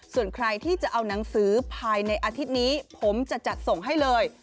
ส่วนใครที่จะเอาหนังสือภายในอาทิตย์นี้ผมจะจัดส่งให้เลย